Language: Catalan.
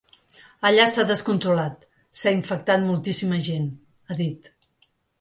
Allà s’ha descontrolat, s’ha infectat moltíssima gent, ha dit.